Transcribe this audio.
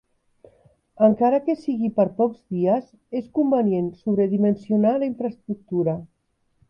Encara que sigui per pocs dies, és convenient sobredimensionar la infraestructura.